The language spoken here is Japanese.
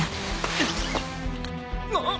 あっ！